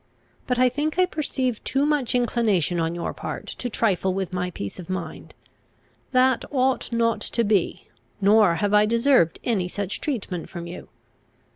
But I think I perceive too much inclination on your part to trifle with my peace of mind. That ought not to be, nor have I deserved any such treatment from you.